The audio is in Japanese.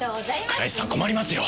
倉石さん困りますよ。